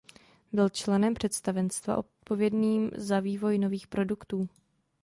Byl členem představenstva odpovědným za vývoj nových produktů.